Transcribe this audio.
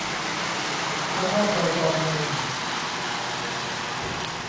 พระธาตุดอยกองมู